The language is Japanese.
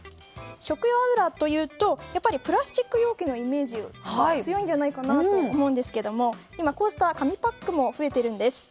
食用油というとやはり、プラスチック容器のイメージが強いんじゃないかなと思うんですけどこうした紙パックも増えているんです。